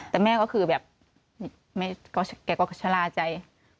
แต่แม่ก็คือแบบแกก็ชะลาใจ